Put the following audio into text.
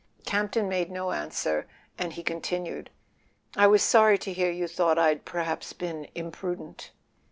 Campton made no answer, and he continued: "I was sorry to hear you thought I'd perhaps been imprudent."